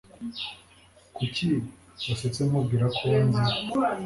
Kuki wasetse nkubwira ko nzi ?